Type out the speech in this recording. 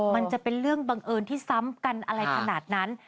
ก็จะเป็นเรื่องบังเอิญที่ซ้ำอะไรอยากเท่านั้น